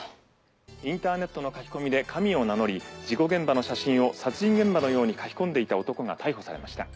インターネットの書き込みで神を名乗り事故現場の写真を殺人現場のように書き込んでいた男が逮捕されました。